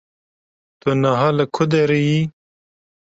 Tu niha li ku derê yî?